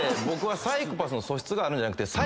僕はサイコパスの素質があるんじゃなくて。